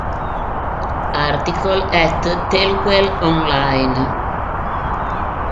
Article at Telquel-online